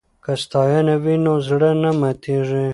که ستاینه وي نو زړه نه ماتیږي.